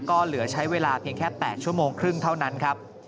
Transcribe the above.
ก็เหลือใช้เวลาเพียงแค่๘ชั่วโมงครึ่งเท่านั้นครับ